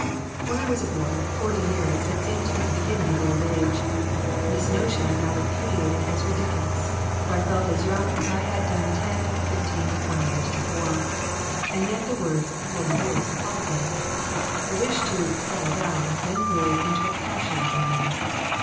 When I was a boy forty years had seemed to be the beginning of old age. This notion I now repudiated as ridiculous, for I felt as young as I had done ten, fifteen, or twenty years before; and yet the words "forty years" appalled me. The wish to "settle down" then grew into a passion in me.